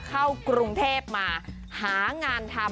เข้ากรุงเทพมาหางานทำ